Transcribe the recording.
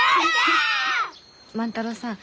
万太郎さん